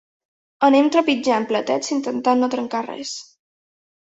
Anem trepitjant platets intentant no trencar res.